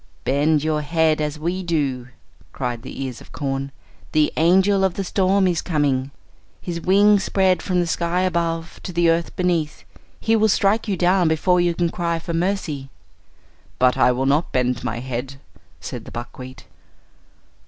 "Bend your head as we do," cried the ears of corn; "the angel of the storm is coming; his wings spread from the sky above to the earth beneath. He will strike you down before you can cry for mercy." "But I will not bend my head," said the buckwheat.